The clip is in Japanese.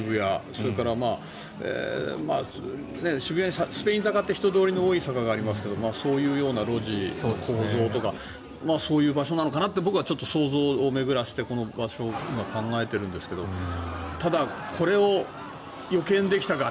それから渋谷にスペイン坂っていう人通りの多い坂がありますけどそういうような路地の構造とかそういう場所なのかなって僕はちょっと想像を巡らせてこの場所を考えているんですがただ、これを予見できたか。